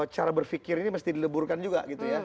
cara berpikir ini mesti dileburkan juga gitu ya